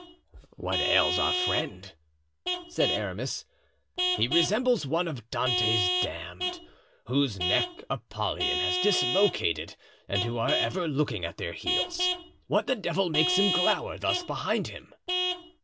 "What ails our friend?" said Aramis, "he resembles one of Dante's damned, whose neck Apollyon has dislocated and who are ever looking at their heels. What the devil makes him glower thus behind him?"